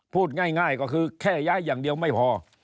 พูดง่ายก็คือแค่ย้ายอย่างเดียวไม่พอ